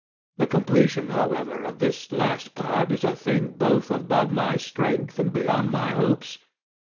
The completion however of this last part is a thing both above my strength and beyond my hopes.